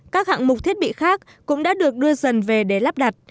các hạng mục thiết bị khác cũng đã được đưa dần về để lắp đặt